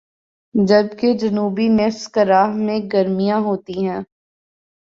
جبکہ جنوبی نصف کرہ میں گرمیاں ہوتی ہیں